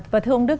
và thưa ông đức